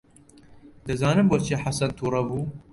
دەزانم بۆچی حەسەن تووڕە بوو.